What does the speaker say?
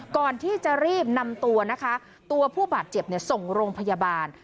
ก่อนที่จะรีบนำตัวนะคะตัวผู้บาดเจ็บส่งโรงพยาบาล